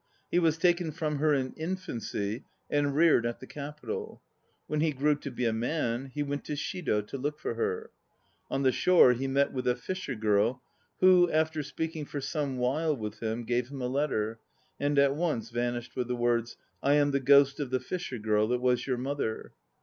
He was taken from her in infancy and reared at the Capital. When he grew to be a man he went to Shido to look for her. On the shore he met with a fisher girl who, after speaking for some while with him, gave him a letter, and at once vanished with the words: "I am the ghost of the fisher girl that was your mother."